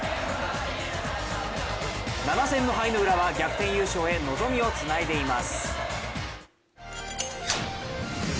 ７戦無敗の浦和、逆転優勝へ望みをつないでいます。